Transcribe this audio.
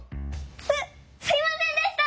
すすいませんでした！